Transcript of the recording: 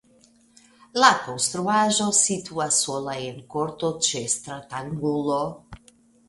La konstruaĵo situas sola en korto ĉe stratangulo.